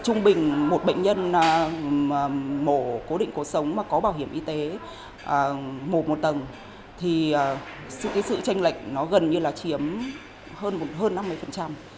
trung bình một bệnh nhân mổ cố định cuộc sống mà có bảo hiểm y tế một một tầng thì cái sự tranh lệch nó gần như là chiếm hơn năm mươi